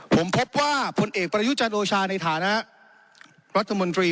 ผมพบว่าผลเอกประยุจันทร์โอชาในฐานะรัฐมนตรี